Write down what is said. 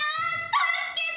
助けて！